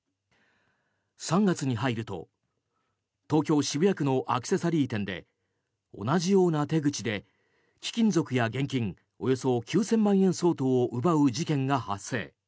３月に入ると東京・渋谷区のアクセサリー店で同じような手口で貴金属や現金およそ９０００万円相当を奪う事件が発生。